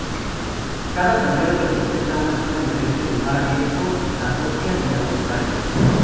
Cada tablero representa una zona diferente del mar abierto: la propia y la contraria.